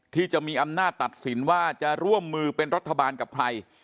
ที่จะมีอำนาจตัดสินว่าจะร่วมมือเป็นรัฐบาลกับใคร